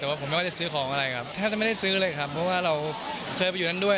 แต่ว่าผมไม่ว่าจะซื้อของอะไรครับแทบจะไม่ได้ซื้อเลยครับเพราะว่าเราเคยไปอยู่นั่นด้วย